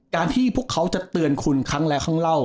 การที่พวกเค้าจะเตือนคุณครั้งแล้วข้างล่าว